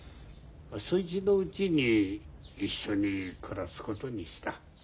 そいつのうちに一緒に暮らすことにした。